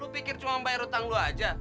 lo pikir cuma bayar utang lo aja